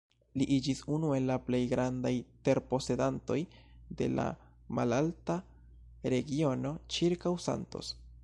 Li iĝis unu el la plej grandaj terposedantoj de la malalta regiono ĉirkaŭ Santos.